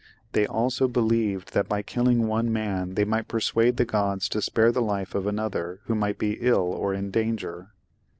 They also be lieved that by killing one man they might persuade the gods to spare the life of another who might be ill or in danger.